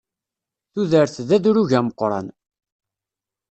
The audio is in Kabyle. Tudert d adrug ameqqran.